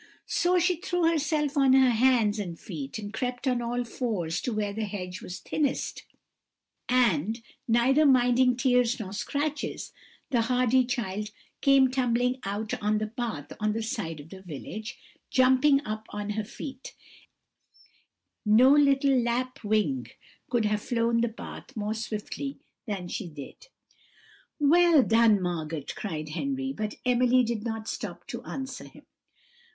So she threw herself on her hands and feet, and crept on all fours to where the hedge was thinnest, and, neither minding tears nor scratches, the hardy child came tumbling out on the path on the side of the village, jumping up on her feet; and no little lapwing could have flown the path more swiftly than she did." "Well done, Margot!" cried Henry; but Emily did not stop to answer him.